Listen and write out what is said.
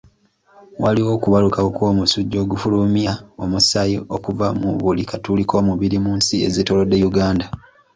Waliwo okubalukawo kw'omusujja ogufulumya omusaayi okuva mu buli katuli k'omubiri mu nsi ezetoolodde Uganda.